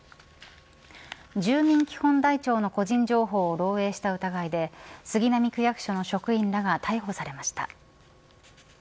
住民基本台帳の個人情報を漏えいした疑いで杉並区役所の職員らが逮捕されました。